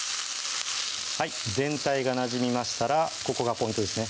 全体がなじみましたらここがポイントですね